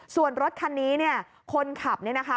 ส่วนรถคันนี้เนี่ยคนขับเนี่ยนะคะ